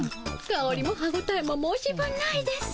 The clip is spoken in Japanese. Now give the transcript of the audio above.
かおりも歯ごたえも申し分ないです。